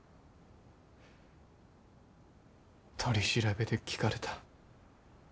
取り調べで聞かれた。